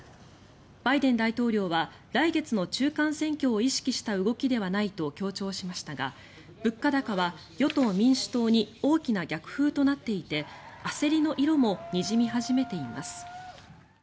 バイデン大統領は来月の中間選挙を意識した動きではないと強調しましたが物価高は与党・民主党に大きな逆風となっていて焦りの色もにじみ始めています。